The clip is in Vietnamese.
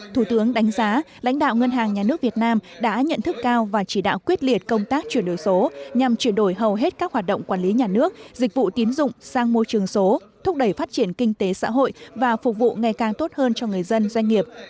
thủ tướng đánh giá lãnh đạo ngân hàng nhà nước việt nam đã nhận thức cao và chỉ đạo quyết liệt công tác chuyển đổi số nhằm chuyển đổi hầu hết các hoạt động quản lý nhà nước dịch vụ tiến dụng sang môi trường số thúc đẩy phát triển kinh tế xã hội và phục vụ ngày càng tốt hơn cho người dân doanh nghiệp